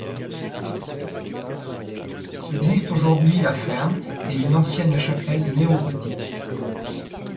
Subsiste aujourd'hui la ferme et une ancienne chapelle néogothique.